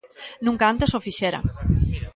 Nunca antes o fixera!